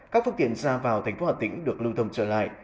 các phương tiện ra vào thành phố hà tĩnh được lưu thông trở lại